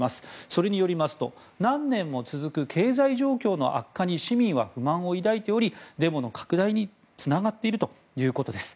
それによりますと何年も続く経済状況の悪化に市民は不満を抱いておりデモの拡大につながっているということです。